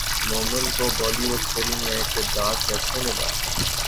مومل کو بولی وڈ فلم میں کردار کیسے ملا